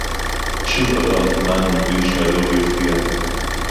שׁוּב עָבַר זְמַן מִבְּלִי שֶׁהַדֹּב יוֹפִיעַ.